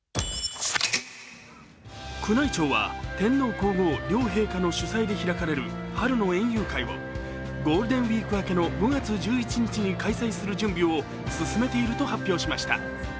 宮内庁は天皇皇后両陛下の主催で開かれる春の園遊会をゴールデンウイーク明けの５月１１日に開催する準備を進めていると発表しました。